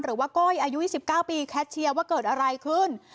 ก้อยอายุ๒๙ปีแคทเชียร์ว่าเกิดอะไรขึ้น